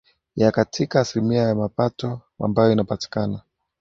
ya katika asilimia ya mapato ambayo inapatikana